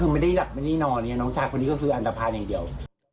คือไม่ได้หลับไม่ได้นอนไงน้องชายคนนี้ก็คืออันตภัณฑ์อย่างเดียว